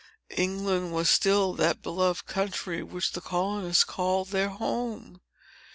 England was still that beloved country which the colonists called their home.